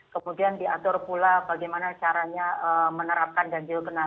kemudian diatur pula bagaimana caranya menerapkan dan dikenal